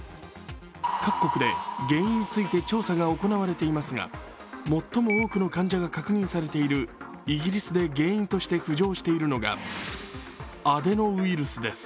各国で原因について調査が行われていますが最も多くの患者が確認されているイギリスで原因として浮上しているのがアデノウイルスです。